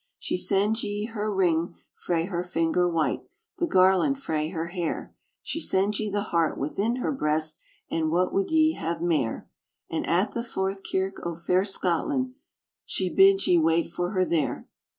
"She sends ye her ring frae her finger white, The garland frae her hair; She sends ye the heart within her breast; And what would ye have mair? And at the fourth kirk o' fair Scotland, She bids ye wait for her there."